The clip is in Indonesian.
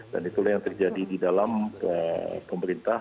dan itulah yang terjadi di dalam pemerintah